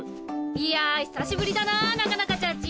いや久しぶりだな中々ちゃんち！